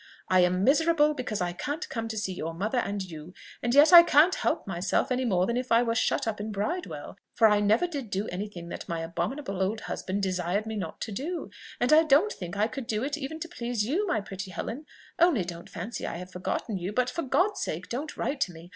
I am miserable because I can't come to see your mother and you, and yet I can't help myself any more than if I were shut up in Bridewell: for I never did do any thing that my abominable old husband desired me not to do, and I don't think I could do it even to please you, my pretty Helen; only don't fancy I have forgotten you: but for God's sake don't write to me!